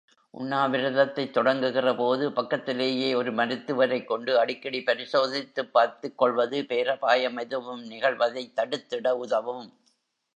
உண்ணாவிரதத்தைத் தொடங்குகிறபோது, பக்கத்திலேயே ஒரு மருத்துவரைக் கொண்டு, அடிக்கடி பரிசோதித்துப் பார்த்துக்கொள்வது பேரபாயம் எதுவும் நிகழ்வதைத் தடுத்திட உதவும்.